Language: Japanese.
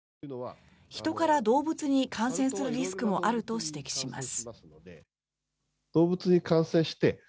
人から動物に感染するリスクもあると指摘します。